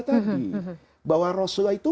tadi bahwa rasulullah itu